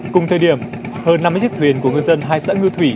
cùng thời điểm hơn năm mươi chiếc thuyền của ngư dân hai xã ngư thủy